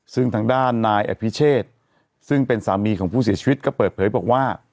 ซึ่งทางด้านนายอภิเชษซึ่งเป็นสามีของผู้เสียชีวิตก็เปิดเผยบอกว่า